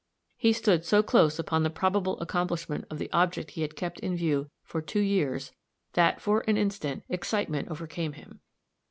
He stood so close upon the probable accomplishment of the object he had kept in view for two years, that, for an instant, excitement overcame him.